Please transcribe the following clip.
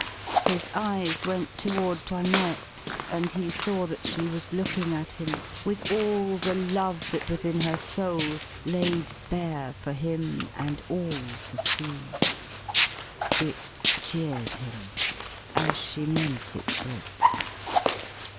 His eyes went toward 'Toinette, and he saw that she was looking at him, with all the love that was in her soul laid bare for him and all to see. It cheered him, as she meant it should.